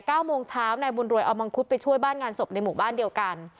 เก้าโมงเช้านายบุญรวยเอามังคุดไปช่วยบ้านงานศพในหมู่บ้านเดียวกัน